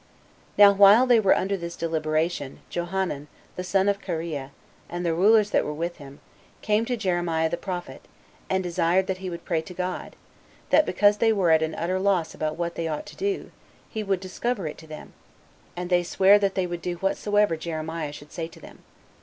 6. Now while they were under this deliberation, Johanan, the son of Kareah, and the rulers that were with him, came to Jeremiah the prophet, and desired that he would pray to God, that because they were at an utter loss about what they ought to do, he would discover it to them, and they sware that they would do whatsoever Jeremiah should say to them.